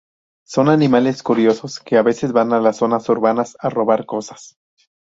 Son animales curiosos, que a veces van a las zonas urbanas a robar cosas.